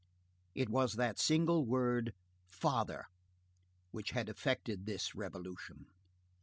"It was that single word "father" which had effected this revolution.